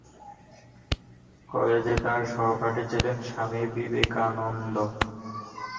কলেজে তার সহপাঠী ছিলেন স্বামী বিবেকানন্দ।